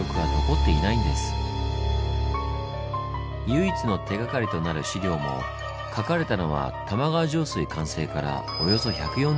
唯一の手がかりとなる資料も書かれたのは玉川上水完成からおよそ１４０年後。